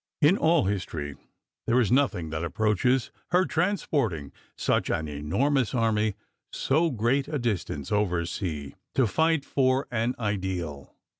In all history there is nothing that approaches her transporting such an enormous army so great a distance oversea to fight for an ideal."